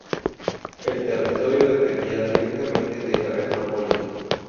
El territorio dependía directamente de la metrópoli.